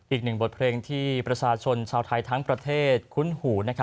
อีกหนึ่งบทเพลงที่ประชาชนชาวไทยทั้งประเทศคุ้นหู